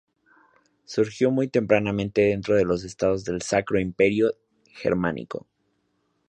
Surgió muy tempranamente dentro de los estados del Sacro Imperio Germánico.